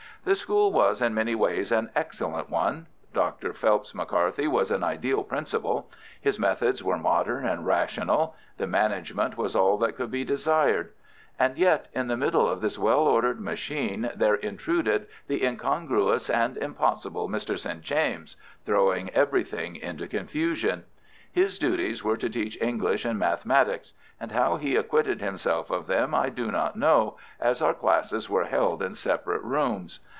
The school was in many ways an excellent one. Dr. Phelps McCarthy was an ideal principal. His methods were modern and rational. The management was all that could be desired. And yet in the middle of this well ordered machine there intruded the incongruous and impossible Mr. St. James, throwing everything into confusion. His duties were to teach English and mathematics, and how he acquitted himself of them I do not know, as our classes were held in separate rooms.